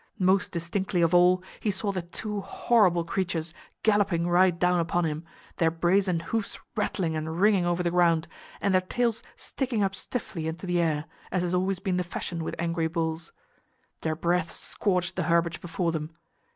Most distinctly of all he saw the two horrible creatures galloping right down upon him, their brazen hoofs rattling and ringing over the ground and their tails sticking up stiffly into the air, as has always been the fashion with angry bulls. Their breath scorched the herbage before them.